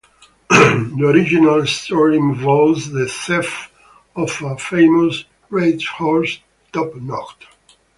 The original story involves the theft of a famous racehorse, Topnotch.